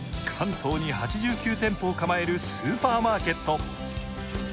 コモディイイダは関東に８９店舗を構えるスーパーマーケット。